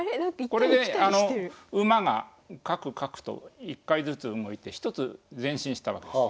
これで馬がカクカクと１回ずつ動いて１つ前進したわけです。